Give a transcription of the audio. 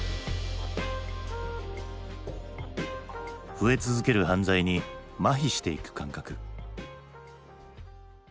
増え続ける犯罪にまひしていく感覚。